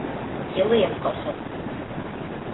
Йылы яҡҡа осабыҙ!